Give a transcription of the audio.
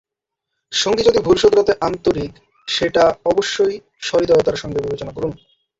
সঙ্গী যদি ভুল শোধরাতে আন্তরিক, সেটা অবশ্যই সহৃদয়তার সঙ্গে বিবেচনা করুন।